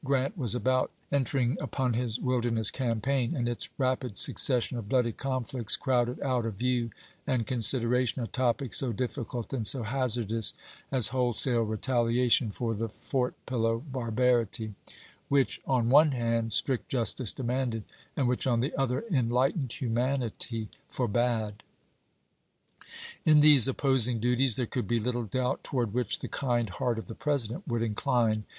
Grant was about entering upon his Wilderness Campaign, and its rapid succession of bloody conflicts crowded out of view and consid eration a topic so difficult and so hazardous as wholesale retaliation for the Fort Pillow barbarity, Chap. XXI. Bates, Opinion, MS. Usher, Opiniou, MS. 484 ABKAHAM LINCOLN CHAP. XXI. which, on one hand, strict justice demanded, and which, on the other, enlightened humanity forbade. In these opposing duties there could be little doubt toward which the kind heart of the President would incline.